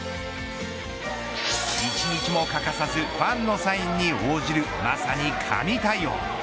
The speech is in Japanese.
１日も欠かさずファンのサインに応じるまさに神対応。